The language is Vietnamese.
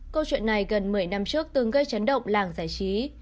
câu chuyện này gần một mươi năm trước từng gây chấn động làng giải trí